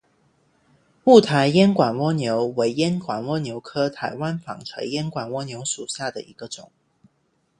雾台烟管蜗牛为烟管蜗牛科台湾纺锤烟管蜗牛属下的一个种。